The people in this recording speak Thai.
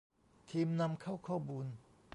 ทีมนำเข้าข้อมูล